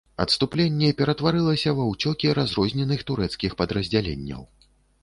Адступленне ператварылася ва ўцёкі разрозненых турэцкіх падраздзяленняў.